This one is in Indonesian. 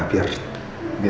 biar aku bisa